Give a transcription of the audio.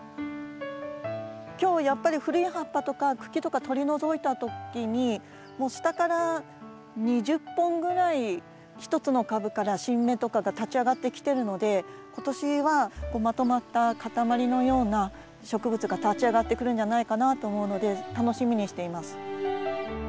今日やっぱり古い葉っぱとか茎とか取り除いた時にもう下から２０本ぐらい１つの株から新芽とかが立ち上がってきてるので今年はまとまった塊のような植物が立ち上がってくるんじゃないかなと思うので楽しみにしています。